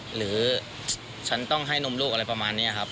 หรือฉันต้องให้นมลูกอะไรประมาณนี้ครับ